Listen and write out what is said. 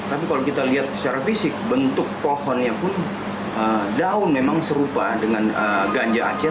tapi kalau kita lihat secara fisik bentuk pohonnya pun daun memang serupa dengan ganja aceh